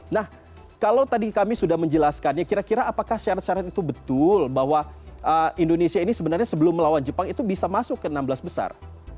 nah kalau tadi kami sudah menjelaskannya kira kira apakah syarat syarat itu betul bahwa indonesia ini sebenarnya sebelum melawan jepang itu bisa masuk ke enam belas besar